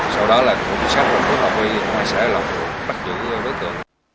sau đó là công an xã đà lộc bắt giữ đối tượng